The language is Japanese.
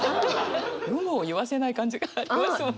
有無を言わせない感じがありますもんね。